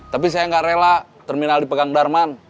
tapi saya nggak rela terminal dipegang darman